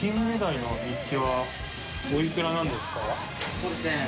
そうですね